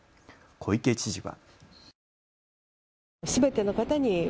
小池知事は。